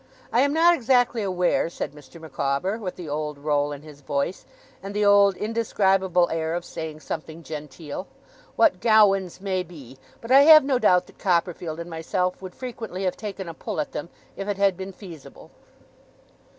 I am not exactly aware,' said Mr. Micawber, with the old roll in his voice, and the old indescribable air of saying something genteel, 'what gowans may be, but I have no doubt that Copperfield and myself would frequently have taken a pull at them, if it had been feasible.